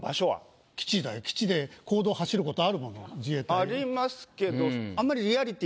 あと。ありますけどあんまり。